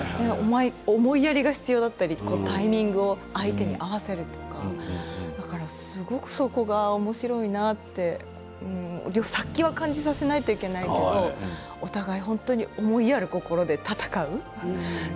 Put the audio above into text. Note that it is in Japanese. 思いやりが必要だったりタイミングを合わせるとかすごくそこがおもしろいな殺気は感じさせなければいけないけれどお互い思いやる心で戦う。